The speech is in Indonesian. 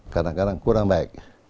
kadang kadang kurang baik